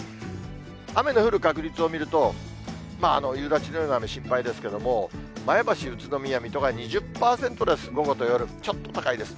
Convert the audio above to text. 雨の降る確率を見ると、夕立のような雨、心配ですけれども、前橋、宇都宮、水戸が２０％です、午後と夜、ちょっと高いです。